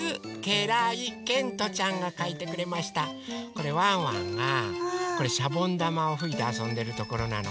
これワンワンがしゃぼんだまをふいてあそんでるところなの。